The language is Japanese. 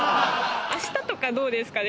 「明日とかどうですか？」